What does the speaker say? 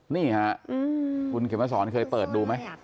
นี่คุณเขมสรเคยเปิดดูไหม